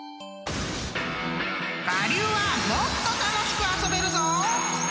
［我流はもっと楽しく遊べるぞ！］